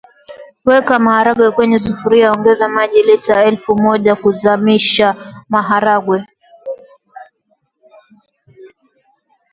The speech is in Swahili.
Weka maharage kwenye sufuria ongeza maji lita elfu moja kuzamisha maharage